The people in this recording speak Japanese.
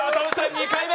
２回目。